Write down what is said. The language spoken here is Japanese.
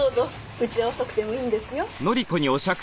うちは遅くてもいいんですよ。